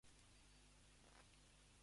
I did not recall that they had been at all.